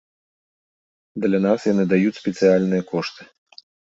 Для нас яны даюць спецыяльныя кошты.